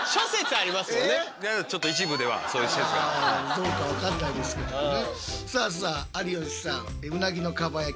どうか分かんないですけどね。